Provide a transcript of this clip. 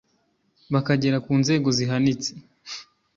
bakagera ku nzego zihanitse